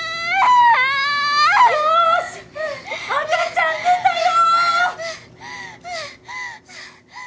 よし赤ちゃん出たよ